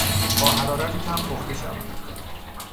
با حرارت کم پخته شود.